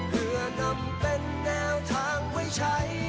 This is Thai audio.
เพื่อนำเป็นแนวทางวิทยาลัย